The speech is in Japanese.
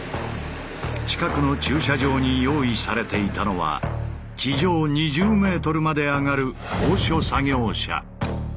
近くの駐車場に用意されていたのは地上２０ｍまで上がる高所作業車。